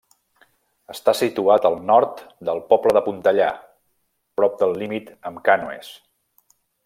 Està situat al nord del poble de Pontellà, prop del límit amb Cànoes.